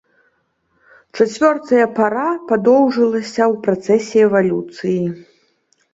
Чацвёртая пара падоўжылася ў працэсе эвалюцыі.